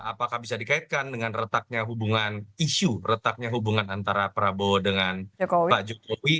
apakah bisa dikaitkan dengan retaknya hubungan isu retaknya hubungan antara prabowo dengan pak jokowi